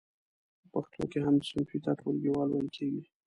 په پښتو کې هم صنفي ته ټولګیوال ویل کیږی.